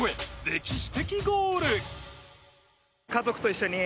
歴史的ゴール。